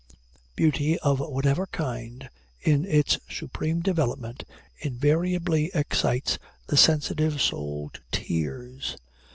Beauty of whatever kind, in its supreme development, invariably excites the sensitive soul to tears.